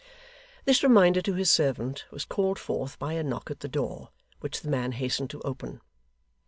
This reminder to his servant was called forth by a knock at the door, which the man hastened to open.